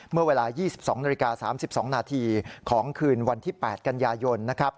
เมื่อเวลา๒๒๓๒นของคืนวันที่๘กันยายน